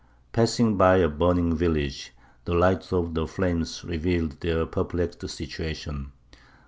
Passing by a burning village, the light of the flames revealed their perplexed situation.